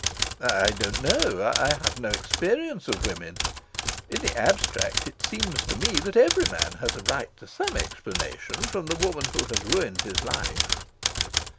"I don't know. I have no experience of women. In the abstract, it seems to me that every man has a right to some explanation from the woman who has ruined his life."